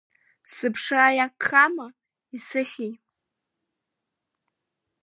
Сыԥшра иагхама, исыхьи?